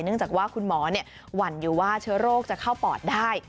จากว่าคุณหมอหวั่นอยู่ว่าเชื้อโรคจะเข้าปอดได้